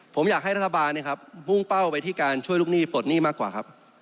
ผมอยากให้รัฐบาลมุ่งเป้าไปที่การช่วยลูกหนี้ปลดหนี้มากกว่าครับ